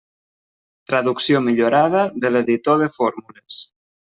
Traducció millorada de l'editor de fórmules.